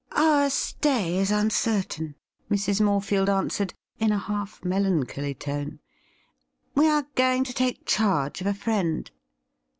' Our stay is uncertain,' Mrs. Morefield answered, in a half melancholy tone. ' We are going to take charge of a friend.'